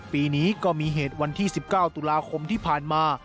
ปีนี้ก็มีเหตุวันที่๑๙ตุลาคมที่ผ่านมา